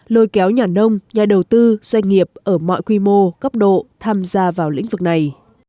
lôi kéo nhà nông nhà đầu tư doanh nghiệp ở mọi quy mô cấp độ tham gia vào lĩnh vực này